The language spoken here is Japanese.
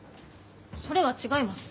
それは違います。